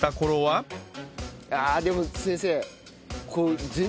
ああでも先生。